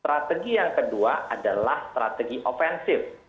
strategi yang kedua adalah strategi ofensif